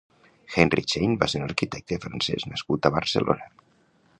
Henri Chaine va ser un arquitecte francès nascut a Barcelona.